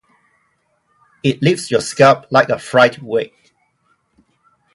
It lifts your scalp like a fright wig.